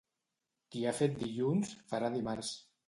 Qui ha fet dilluns, farà dimarts.